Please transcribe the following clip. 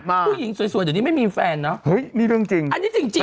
ผู้หญิงสวยเดี๋ยวนี้ไม่มีแฟนเนอะเฮ้ยนี่เรื่องจริงอันนี้จริงจริง